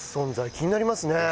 気になりますね。